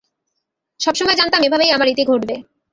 সবসময় জানতাম এভাবেই আমার ইতি ঘটবে।